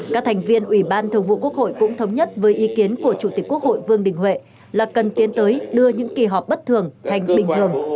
các thành viên ủy ban thường vụ quốc hội cũng thống nhất với ý kiến của chủ tịch quốc hội vương đình huệ là cần tiến tới đưa những kỳ họp bất thường thành bình thường